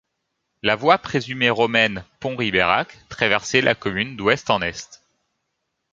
La voie présumée romaine Pons-Ribérac traversait la commune d'ouest en est.